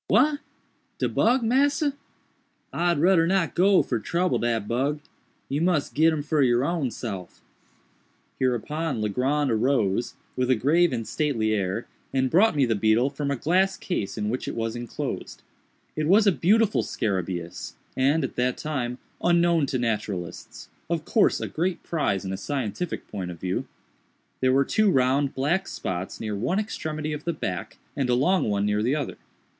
_" "What! de bug, massa? I'd rudder not go fer trubble dat bug—you mus' git him for your own self." Hereupon Legrand arose, with a grave and stately air, and brought me the beetle from a glass case in which it was enclosed. It was a beautiful scarabæus, and, at that time, unknown to naturalists—of course a great prize in a scientific point of view. There were two round, black spots near one extremity of the back, and a long one near the other.